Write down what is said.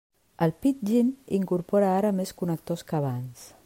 El Pidgin incorpora ara més connectors que abans.